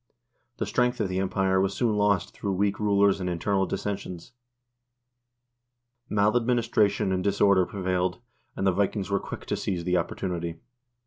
The strength of the Empire was soon lost through weak rulers and internal dissensions; maladministration and disorder prevailed, and the Vikings were quick to seize the opportunity.